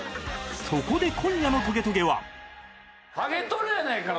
そこで今夜の『トゲトゲ』は